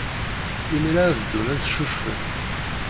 Imir-a ad ddun ad ccucfen.